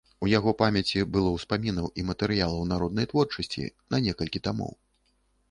У яго памяці было ўспамінаў і матэрыялаў народнай творчасці на некалькі тамоў.